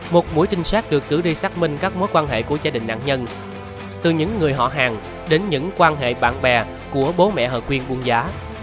một mũi trinh sát được cử đi xác minh các mối quan hệ của gia đình nạn nhân từ những người họ hàng đến những quan hệ bạn bè của bố mẹ hờ quyên buôn giá